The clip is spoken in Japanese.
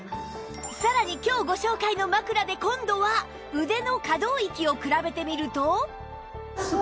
さらに今日ご紹介の枕で今度は腕の可動域を比べてみると